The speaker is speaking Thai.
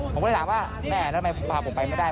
ผมก็เลยถามว่าแม่แล้วทำไมผมพาผมไปไม่ได้